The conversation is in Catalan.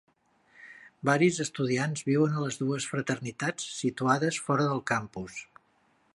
Varis estudiants viuen a les dues fraternitats situades fora del campus.